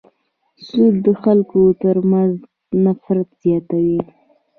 سود د خلکو تر منځ نفرت زیاتوي.